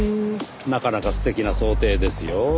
なかなか素敵な装丁ですよ。